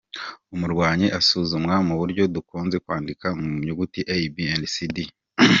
Umurwayi asuzumwa mu buryo dukunze kwandika mu nyuguti A, B, C, D.